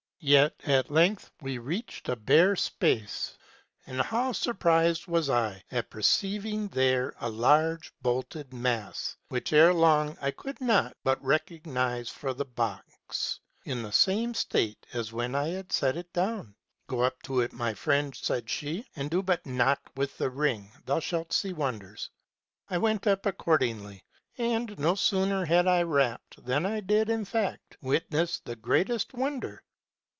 Yet at length we reached a bare space ; and how surprised was I at perceiving there a large, bolted 246 METSTER'S TRAVELS. mass, which, erelong, I could not but recognize for the box, in the same state as when I had set it down. "' Go up to it, my friend,' said she, ' and do but knock with the ring: thou shalt see wonders.' I went up accord ingly ; and no sooner had I rapped, than I did, in fact, wit ness the greatest wonder.